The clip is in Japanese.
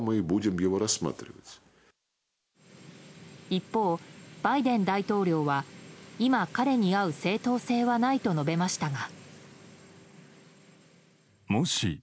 一方、バイデン大統領は今、彼に会う正当性はないと述べましたが。